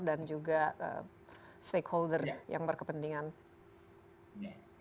dan juga stakeholder yang berkepentingan